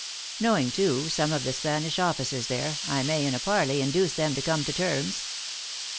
Knowing, too, some of the Spanish officers there, I may in a par ley induce them to come to terms."